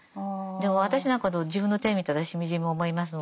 私なんかでも自分の手見たらしみじみ思いますもん。